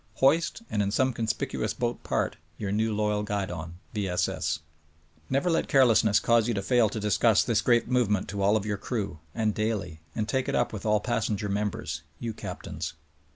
(Hoist, and in some conspicuous boat part, j^our new loyal guidon— V. S. S. !) Never let carelessness cause you to fail to discuss this great movement to all of your crew, and daily — and take it up with all passenger members — ^you captains